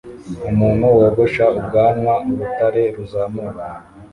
Umuntu wogosha ubwanwa urutare ruzamuka